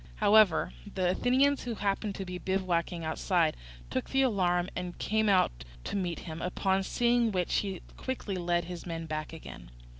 However, the Athenians who happened to be bivouacking outside took the alarm and came out to meet him, upon seeing which he quickly led his men back again.